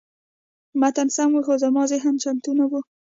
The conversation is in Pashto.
متن سم و، خو زما ذهن چمتو نه و.